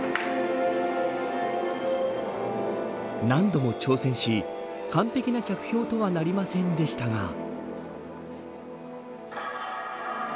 何度も挑戦し完璧な着氷とはなりませんでしたが。